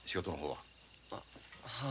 はあ。